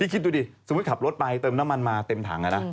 คิดดูดิสมมุติขับรถไปเติมน้ำมันมาเต็มถัง